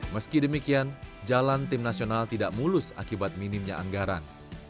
meski demikian jalan tim nasional tidak mulus akibat minimnya anggaran